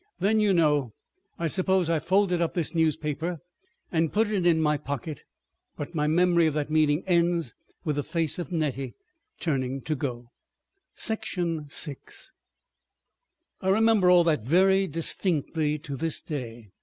... Then, you know, I suppose I folded up this newspaper and put it in my pocket. But my memory of that meeting ends with the face of Nettie turning to go. § 6 I remember all that very distinctly to this day.